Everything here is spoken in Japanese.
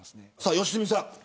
良純さん。